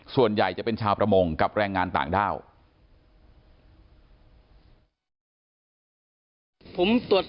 ส่วนใหญ่จะเป็นชาวประมงกับแรงงานต่างด้าว